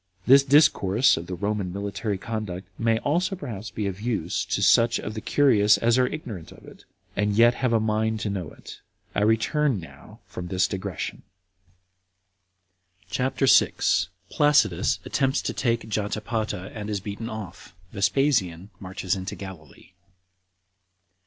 This discourse of the Roman military conduct may also perhaps be of use to such of the curious as are ignorant of it, and yet have a mind to know it. I return now from this digression. CHAPTER 6. Placidus Attempts To Take Jotapata And Is Beaten Off. Vespasian Marches Into Galilee.